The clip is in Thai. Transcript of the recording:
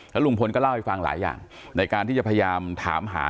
ลุงพลก็เล่าให้ฟังหลายอย่างในการที่จะพยายามถามหา